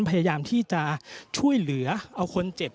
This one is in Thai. พยายามที่จะช่วยเหลือเอาคนเจ็บ